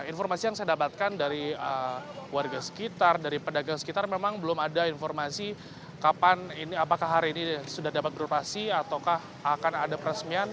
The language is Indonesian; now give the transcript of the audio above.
informasi yang saya dapatkan dari warga sekitar dari pedagang sekitar memang belum ada informasi kapan ini apakah hari ini sudah dapat beroperasi ataukah akan ada peresmian